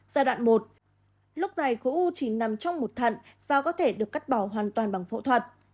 giai đoạn một lúc này khối u chỉ nằm trong một thận và có thể được cắt bỏ hoàn toàn bằng phẫu thuật